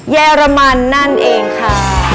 เยอรมันนั่นเองค่ะ